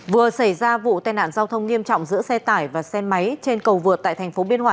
vừa xảy ra vụ tai nạn giao thông nghiêm trọng giữa xe tải và xe máy trên cầu vượt tại thành phố biên hòa